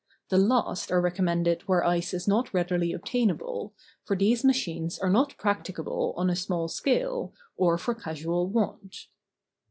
The last are recommended where ice is not readily obtainable, for these machines are not practicable on a small scale, or for casual want.